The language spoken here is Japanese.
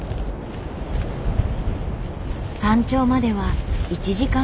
山頂までは１時間ほど。